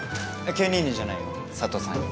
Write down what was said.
健兄にじゃないよ佐都さんに。